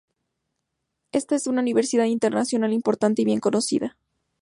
Esta es una universidad internacional importante y bien conocida.